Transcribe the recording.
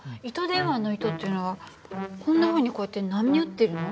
電話の糸っていうのはこんなふうにこうやって波打ってるの？